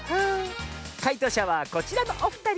かいとうしゃはこちらのおふたり！